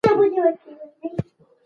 دا کتاب د رانجو کلتوري تاريخ بيانوي.